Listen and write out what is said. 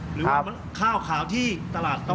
หรือว่ามันข้าวขาวที่ตลาดต้องการ